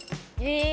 え！